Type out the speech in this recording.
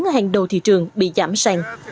ở hàng đầu thị trường bị giảm sàng